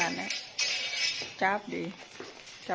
ฝรั่งจริงประเจ้า